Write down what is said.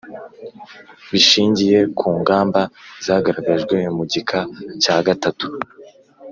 bishingiye ku ngamba zagaragajwe mu gika cya gatatu ;